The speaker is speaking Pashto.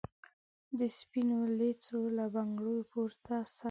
د سپینو لېڅو له بنګړو پورته سه